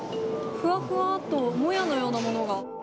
ふわふわっと、もやのようなものが。